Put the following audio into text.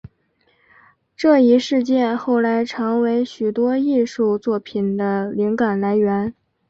这一事件后来成为许多艺术作品的灵感来源。